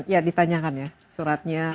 ya ditanyakan ya suratnya